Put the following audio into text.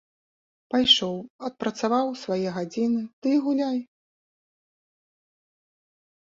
Пайшоў, адпрацаваў свае гадзіны ды і гуляй.